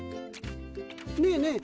ねえねえ